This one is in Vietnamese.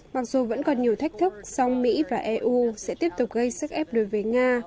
mặc dù vẫn còn nhiều thách thức song mỹ và eu sẽ tiếp tục gây sức ép đối với nga